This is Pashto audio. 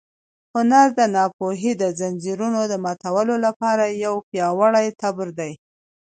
هنر د ناپوهۍ د ځنځیرونو د ماتولو لپاره یو پیاوړی تبر دی.